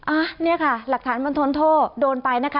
อ่ะเนี่ยค่ะหลักฐานบันทนโทษโดนไปนะคะ